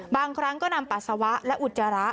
บางครั้งก็นำปัสสาวะและอุจจาระ